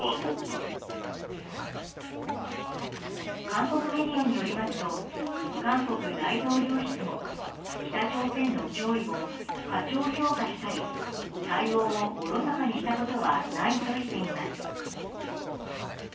韓国メディアによりますと韓国大統領室も北朝鮮の脅威を過小評価したり対応をおろそかにしたことはないとしています。